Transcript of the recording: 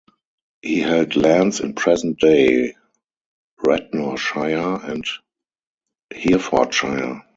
He held lands in present-day Radnorshire and Herefordshire.